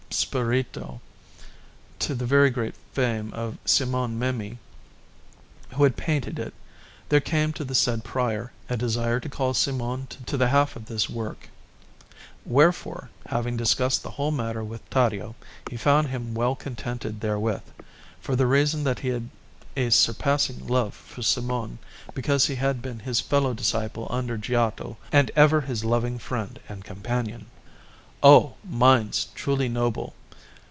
Spirito, to the very great fame of Simone Memmi, who had painted it, there came to the said Prior a desire to call Simone to the half of this work; wherefore, having discussed the whole matter with Taddeo, he found him well contented therewith, for the reason that he had a surpassing love for Simone, because he had been his fellow disciple under Giotto and ever his loving friend and companion. Oh! minds truly noble!